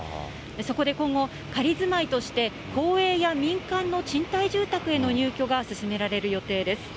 そこで今後、仮住まいとして、公営や民間の賃貸住宅への入居が進められる予定です。